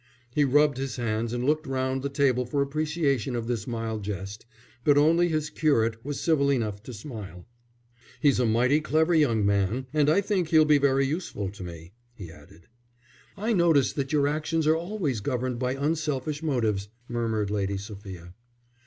He rubbed his hands and looked round the table for appreciation of this mild jest, but only his curate was civil enough to smile. "He's a mighty clever young man, and I think he'll be very useful to me," he added. "I notice that your actions are always governed by unselfish motives," murmured Lady Sophia.